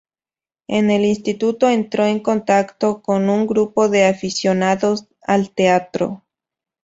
En el instituto entró en contacto con un grupo de aficionados al teatro.